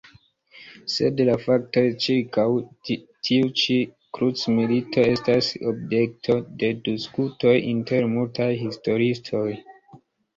Sed la faktoj ĉirkaŭ tiu ĉi krucmilito estas objekto de diskutoj inter multaj historiistoj.